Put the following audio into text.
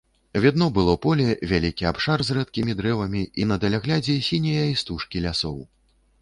Відно было поле, вялікі абшар з рэдкімі дрэвамі і на даляглядзе сінія істужкі лясоў.